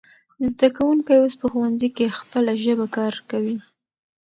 زده کوونکی اوس په ښوونځي کې خپله ژبه کارکوي.